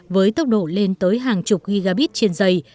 với tốc độ lên tới hàng chục gigabit trên dây